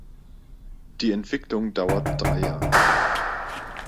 Die Entwicklung dauert drei Jahre.